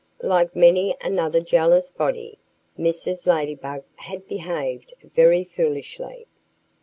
Like many another jealous body, Mrs. Ladybug had behaved very foolishly.